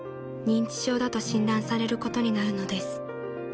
認知症だと診断されることになるのです］